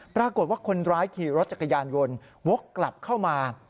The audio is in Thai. ปรากฏว่าคนร้ายขี่รถจักรยานยนต์วกกลับเข้ามา